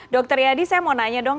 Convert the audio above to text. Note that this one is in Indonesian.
dr yadi saya mau nanya dong